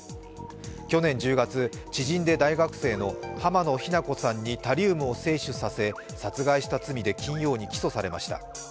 去年１０月、知人で大学生の濱野日菜子さんにタリウムを摂取させ殺害した罪で金曜に起訴されました。